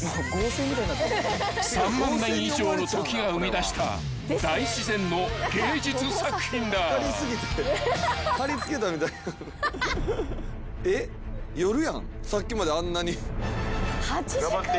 ［３万年以上の時が生み出した大自然の芸術作品だ］頑張って。